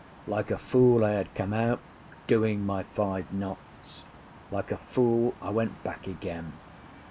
Like a fool I had come out, doing my five knots; like a fool I went back again.